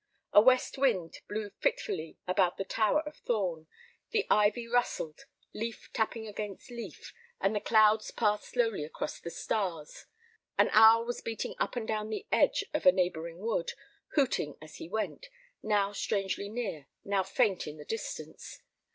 A west wind blew fitfully about the tower of Thorn. The ivy rustled, leaf tapping against leaf; and the clouds passed slowly across the stars. An owl was beating up and down the edge of a neighboring wood, hooting as he went, now strangely near, now faint in the distance.